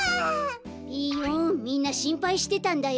みんなしんぱいしてたんだよ。